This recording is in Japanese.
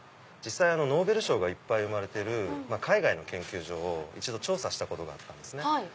ノーベル賞がいっぱい生まれてる海外の研究所を一度調査したことがあったんですね。